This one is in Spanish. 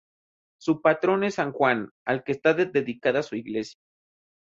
Su patrón es San Juan, al que está dedicada su iglesia.